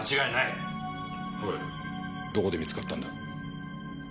おいどこで見つかったんだ？